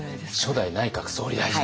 初代内閣総理大臣。